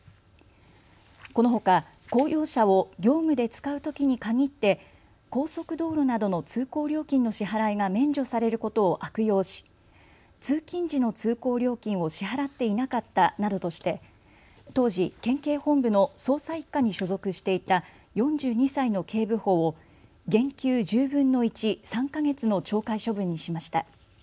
このほか公用車を業務で使うときに限って高速道路などの通行料金の支払いが免除されることを悪用し通勤時の通行料金を支払っていなかったなどとして当時、県警本部の捜査１課に所属していた４２歳の警部補を減給１０分の１、３か月の懲戒処分にしました。